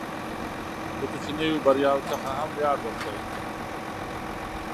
له کوچنیو بریاوو څخه هم ویاړ وکړئ.